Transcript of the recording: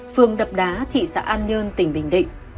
phường đập đá thị xã an nhơn tỉnh bình định